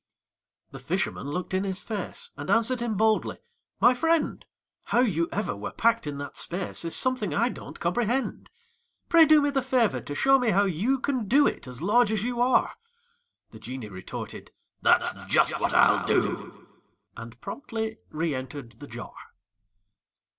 The fisherman looked in his face, And answered him boldly: "My friend, How you ever were packed in that space Is something I don't comprehend. Pray do me the favor to show me how you Can do it, as large as you are." The genie retorted: "That's just what I'll do!" And promptly reëntered the jar.